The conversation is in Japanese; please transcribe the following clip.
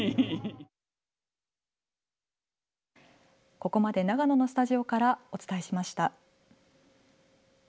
ここまで長野のスタジオからお伝えしました。